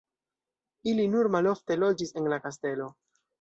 Ili nur malofte loĝis en la kastelo.